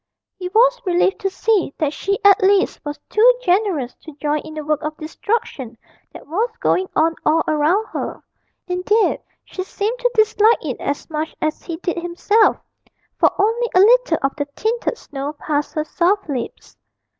He was relieved to see that she at least was too generous to join in the work of destruction that was going on all around her indeed, she seemed to dislike it as much as he did himself, for only a little of the tinted snow passed her soft lips.